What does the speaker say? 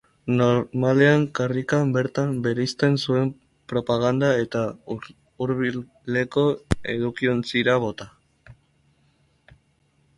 Normalean karrikan bertan bereizten zuen propaganda eta hurbileko edukiontzira bota.